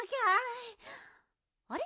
あれ？